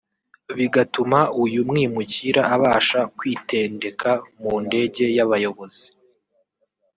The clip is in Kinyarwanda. bigatuma uyu mwimukira abasha kwitendeka mu ndege y’abayobozi